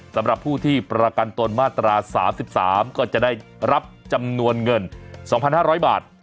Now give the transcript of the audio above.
สำหรับผู้ที่ประกันตนมาตรา๓๓ก็จะได้รับจำนวนเงิน๒๕๐๐บาท